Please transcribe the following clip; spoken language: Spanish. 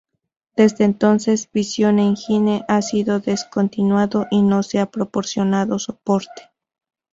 Desde entonces, Vision Engine ha sido descontinuado y no se ha proporcionado soporte.